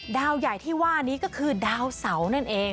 ดาวใหญ่ที่ว่านี้ก็คือดาวเสานั่นเอง